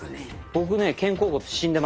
僕ね肩甲骨死んでます。